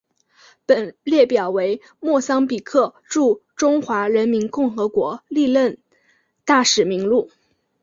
本列表为莫桑比克驻中华人民共和国历任大使名录。